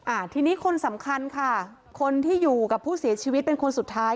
อ่าทีนี้คนสำคัญค่ะคนที่อยู่กับผู้เสียชีวิตเป็นคนสุดท้าย